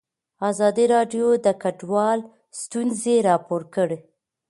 ازادي راډیو د کډوال ستونزې راپور کړي.